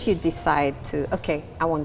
saya ingin bergabung dengan ini